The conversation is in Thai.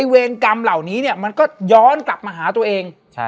เวรกรรมเหล่านี้มันก็ย้อนกลับมาหาตัวเอง